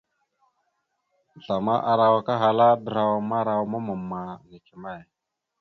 Zlama arawak ahala: draw marawa mamma neke may ?